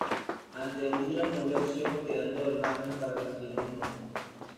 Ante Honduras no vió acción, quedando al margen para las siguientes nóminas.